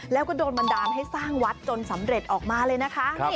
แล้วก็โดนบันดาลให้สร้างวัดจนสำเร็จออกมาเลยนะคะ